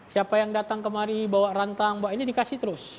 siapa yang datang kemari bawa rantang bawa ini dikasih terus